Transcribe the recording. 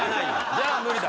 じゃあ無理だ。